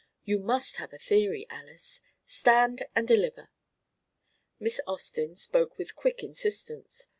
You must have a theory, Alys. Stand and deliver." Miss Austin spoke with quick insistence.